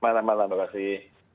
selamat malam terima kasih